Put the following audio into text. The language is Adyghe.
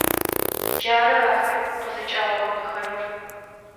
Джары ахэр къызыкӏагъэгъунэхэрэр.